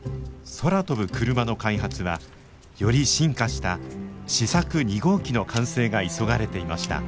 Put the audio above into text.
空飛ぶクルマの開発はより進化した試作２号機の完成が急がれていました。